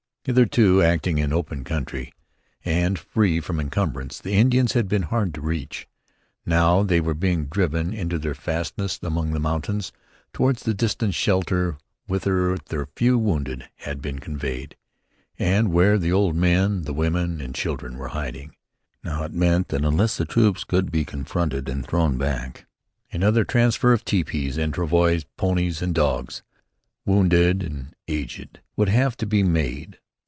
Hitherto, acting in the open country and free from encumbrance, the Indians had been hard to reach. Now they were being driven into their fastnesses among the mountains toward the distant shelter whither their few wounded had been conveyed, and where the old men, the women and children were in hiding. Now it meant that, unless the troops could be confronted and thrown back, another transfer of tepees and travois, ponies and dogs, wounded and aged would have to be made.